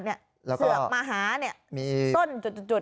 เสือกมาหามีต้นจุด